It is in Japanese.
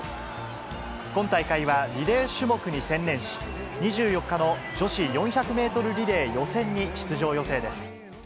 今大会はリレー種目に専念し、２４日の女子４００メートルリレー予選に出場予定です。